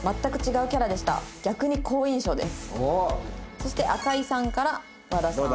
そして赤井さんから和田さん。